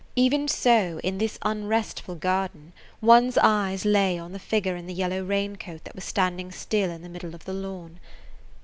Even so in this unrestful garden one's eyes lay on the figure in the yellow raincoat that was standing still in the middle of the lawn.